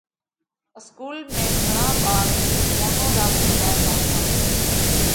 اِسڪُول ۾ گھڻا ٻاۯ مشلمونَون را ڀڻوا زاتا۔